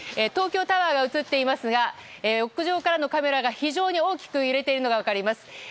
東京タワーが映っていますが屋上からのカメラが非常に大きく揺れているのも分かります。